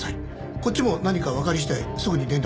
こっちも何かわかり次第すぐに連絡します。